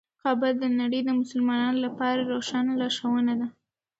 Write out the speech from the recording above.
کعبه د نړۍ د مسلمانانو لپاره روښانه لارښوونه ده.